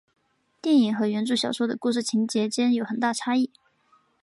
电影和原着小说的故事情节间有很大差异。